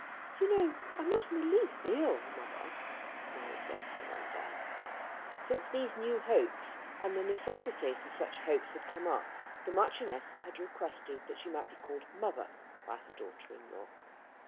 "You know I'm not the least ill, mother," Mary said to her one day. Since these new hopes and the necessity for such hopes had come up the Marchioness had requested that she might be called mother by her daughter in law.